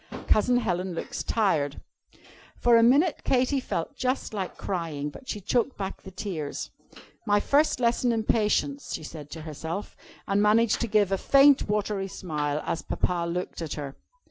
Cousin Helen looks tired." For a minute, Katy felt just like crying. But she choked back the tears. "My first lesson in Patience," she said to herself, and managed to give a faint, watery smile as Papa looked at her.